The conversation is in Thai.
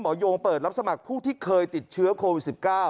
โยงเปิดรับสมัครผู้ที่เคยติดเชื้อโควิด๑๙